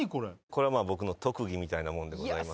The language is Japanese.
これは僕の特技みたいなもんでございますけども。